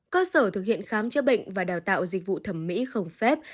cơ sở thực hiện khám chữa bệnh và đào tạo dịch vụ thẩm mỹ không phép